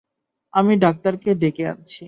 আমি ডাক্তারকে ডেকে আনছি।